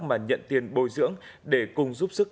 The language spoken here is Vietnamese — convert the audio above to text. mà nhận tiền bồi dưỡng để cùng giúp sức